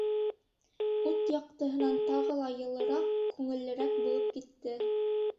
Ут яҡтыһынан тағы ла йылыраҡ, күңеллерәк булып китте.